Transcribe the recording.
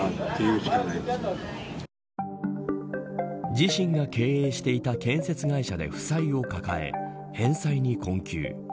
自身が経営していた建設会社で負債を抱え返済に困窮。